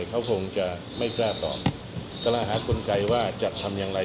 เขาคงจะไม่กล้าตอบก็ละหาคนไกลว่าจะทำอย่างไร